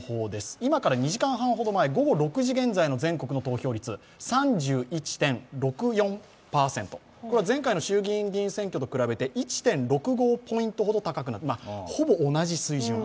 今から２時間半ほど前、午後６時現在の全国の投票率、３１．６４％、前回の衆議院議員選挙と比べて１．６５ポイントほど高くなっている、ほぼ同じ水準。